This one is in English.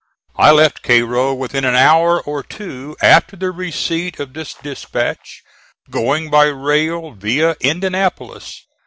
I left Cairo within an hour or two after the receipt of this dispatch, going by rail via Indianapolis.